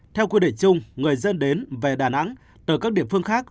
theo quy định chung người dân đến về đà nẵng từ các địa phương khác